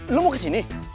lo mau kesini